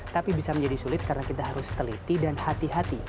tapi bisa menjadi sulit karena kita harus teliti dan hati hati